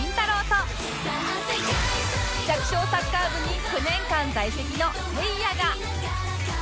と弱小サッカー部に９年間在籍のせいやが